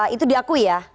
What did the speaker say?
itu diakui ya